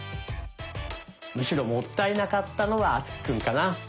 むしろもったいなかったのは敦貴くんかな。